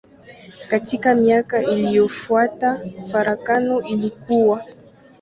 Katika miaka iliyofuata farakano ilikua.